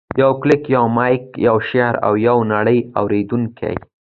یو کلیک، یو مایک، یو شعر، او یوه نړۍ اورېدونکي.